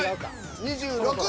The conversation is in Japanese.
２６位。